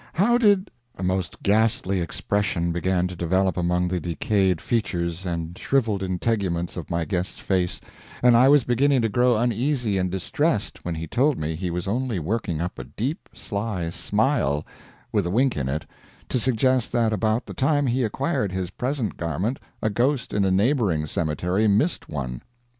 How did " A most ghastly expression began to develop among the decayed features and shriveled integuments of my guest's face, and I was beginning to grow uneasy and distressed, when he told me he was only working up a deep, sly smile, with a wink in it, to suggest that about the time he acquired his present garment a ghost in a neighboring cemetery missed one.